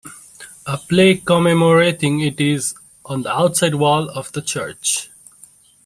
A plaque commemorating it is on the outside wall of the church.